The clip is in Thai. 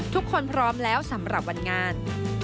พร้อมแล้วสำหรับวันงาน